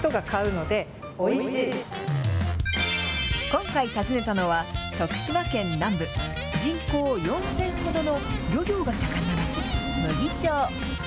今回、訪ねたのは徳島県南部、人口４０００ほどの漁業が盛んな町、牟岐町。